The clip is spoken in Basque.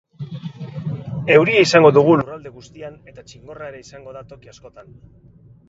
Euria izango dugu lurralde guztian eta txingorra ere izango da toki askotan.